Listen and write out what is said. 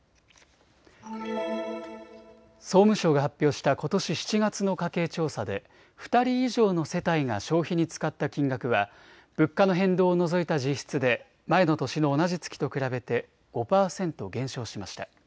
総務省が発表したことし７月の家計調査で２人以上の世帯が消費に使った金額は物価の変動を除いた実質で前の年の同じ月と比べて５％減少しました。